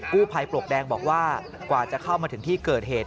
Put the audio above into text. กู้ภัยปลวกแดงบอกว่ากว่าจะเข้ามาถึงที่เกิดเหตุ